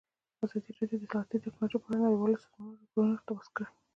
ازادي راډیو د اطلاعاتی تکنالوژي په اړه د نړیوالو سازمانونو راپورونه اقتباس کړي.